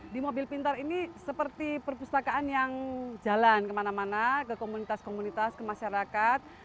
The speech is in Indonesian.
di mobil pintar ini seperti perpustakaan yang jalan kemana mana ke komunitas komunitas ke masyarakat